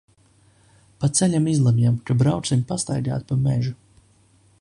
Pa ceļa izlemjam, ka brauksim pastaigāt pa mežu.